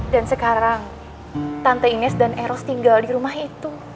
dan sekarang tante ines dan eros tinggal di rumah itu